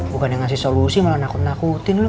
bukan yang ngasih solusi malah nakut nakutin lu